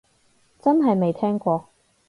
真係未聽過